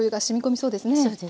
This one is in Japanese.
そうですね。